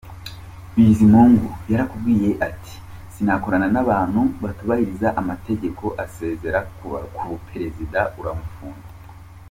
Bizimungu yarakubwiye ati sinakorana n’abantu batubahiriza amategeko, asezera ku buperezida, uramufunga.